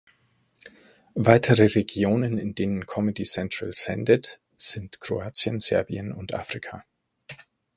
Weitere Regionen, in denen Comedy Central sendet, sind Kroatien, Serbien und Afrika.